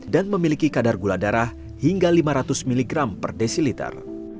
dan memiliki kadar gula darah hingga lima ratus mg per desiliter